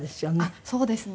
あっそうですね。